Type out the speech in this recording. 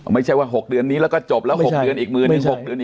ไม่ใช่ว่า๖เดือนนี้แล้วก็จบแล้ว๖เดือนอีกหมื่น